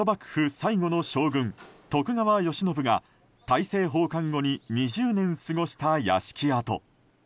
最後の将軍・徳川慶喜が大政奉還後に２０年過ごした屋敷跡。